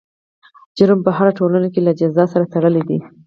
جرم په هره ټولنه کې له جزا سره تړلی دی.